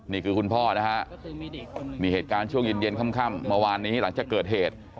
นี่คือคุณพ่อนะฮะนี่เหตุการณ์ช่วงเย็นค่ำเมื่อวานนี้หลังจากเกิดเหตุ